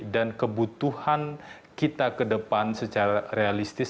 dan kebutuhan kita ke depan secara realistik